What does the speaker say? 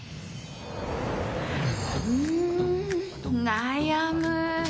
うーん、悩む。